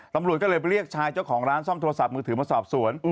ตำรวจก็เลยไปเรียกชายเจ้าของร้านซ่อมโทรศัพท์มือถือมาสอบสวน